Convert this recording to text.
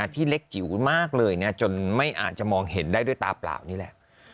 ที่เล็กจิ๋วมากเลยจนไม่อาจจะมองเห็นได้ด้วยตาเปล่านี่แหละ